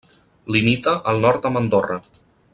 Limita al nord amb Andorra.